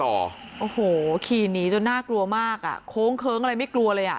โอ้โหขี่หนีจนน่ากลัวมากอ่ะโค้งเคิ้งอะไรไม่กลัวเลยอ่ะ